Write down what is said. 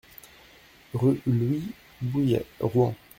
Rue Louis Bouilhet, Rouen